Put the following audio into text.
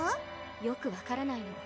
よくわからないの。